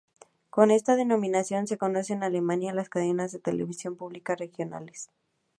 Con esta denominación se conoce en Alemania a las cadenas de televisión públicos regionales.